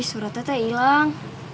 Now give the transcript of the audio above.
tapi suratnya teh ilang